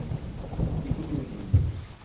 Yiwen ur yemmut.